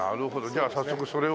じゃあ早速それをね